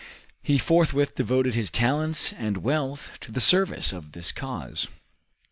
He forthwith devoted his talents and wealth to the service of this cause.